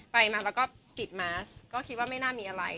ไปมาแล้วก็ปิดมาสก็คิดว่าไม่น่ามีอะไร